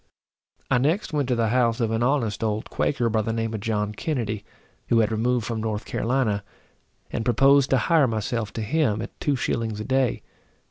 I next went to the house of an honest old Quaker, by the name of John Kennedy, who had removed from North Carolina, and proposed to hire myself to him, at two shillings a day.